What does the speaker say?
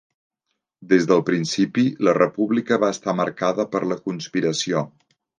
Des del principi la República va estar marcada per la conspiració.